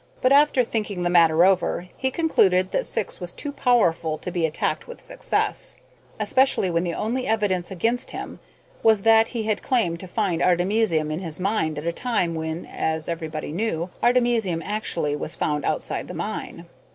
But, after thinking the matter over, he concluded that Syx was too powerful to be attacked with success, especially when the only evidence against him was that he had claimed to find artemisium in his mine at a time when, as everybody knew, artemisium actually was found outside the mine.